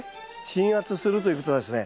鎮圧するということはですね